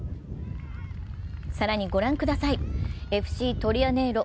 更にご覧ください、ＦＣトリアネーロ